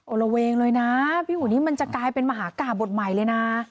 ระเวงเลยนะพี่อุ๋นี่มันจะกลายเป็นมหากราบบทใหม่เลยนะ